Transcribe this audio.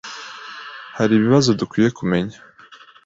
Hari ibibazo dukwiye kumenya?